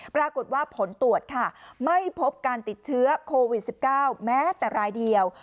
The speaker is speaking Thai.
ปรากฏว่าผลตรวจค่ะไม่พบการติดเชื้อโควิด๑๙แม้แต่รายเดียว